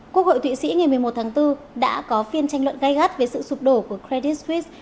quốc hội thụy sĩ ngày một mươi một tháng bốn đã có phiên tranh luận gây gắt về sự sụp đổ của credit sris